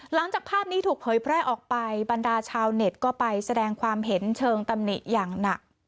หลังจากภาพนี้ถูกเผยแพร่ออกไปบรรดาชาวเน็ตก็ไปแสดงความเห็นเชิงตำหนิอย่างหนัก